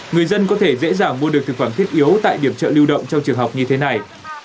người dân có thể dễ dàng mua được thực phẩm thiết yếu tại điểm chợ lưu động trong trường học như thế này